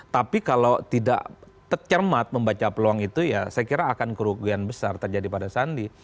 tapi kalau tidak tercermat membaca peluang itu ya saya kira akan kerugian besar terjadi pada sandi